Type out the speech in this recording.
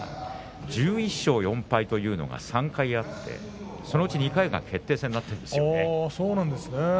１１勝４敗というのが３回あってそのうち２回が優勝決定戦なんですね。